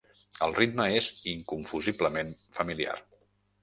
El ritme és inconfusiblement familiar.